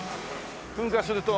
噴火すると。